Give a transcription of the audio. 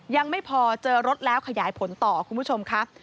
ยังไม่พอเจอรถแล้วขยายผลต่อคุณผู้ชมค่ะ